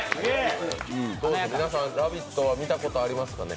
皆さん「ラヴィット！」は見たことありますかね？